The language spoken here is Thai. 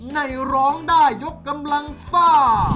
ในร้องได้ยกกำลังซ่า